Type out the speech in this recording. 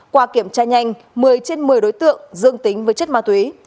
qua kiểm tra nhanh một mươi trên một mươi đối tượng dương tính với chất ma túy